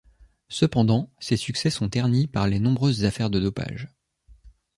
Cependant ces succès sont ternis par les nombreuses affaires de dopage.